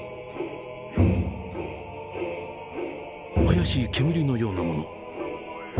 怪しい煙のようなもの。